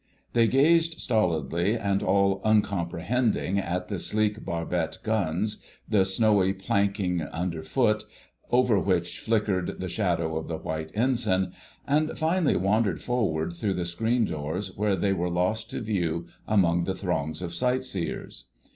They gazed stolidly and all uncomprehending at the sleek barbette guns, the snowy planking underfoot, over which flickered the shadow of the White Ensign, and finally wandered forward through the screen doors, where they were lost to view among the throngs of sightseers.